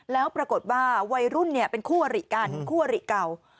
แล้วปรากฏว่าวัยรุ่นเป็นคู่อริกันคู่อริเก่า